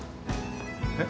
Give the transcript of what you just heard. えっ？